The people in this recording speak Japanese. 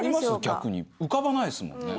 逆に浮かばないですもんね